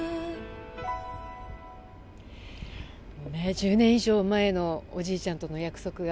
１０年以上前のおじいちゃんとの約束が。